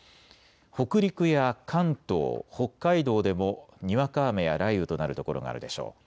北陸や関東、北海道でもにわか雨や雷雨となる所があるでしょう。